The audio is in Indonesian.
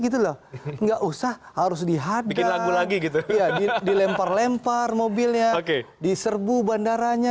tidak usah harus dihadang dilempar lempar mobilnya diserbu bandaranya